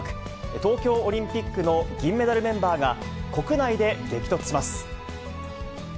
東京オリンピックの銀メダルメンバーが、国内で激突します。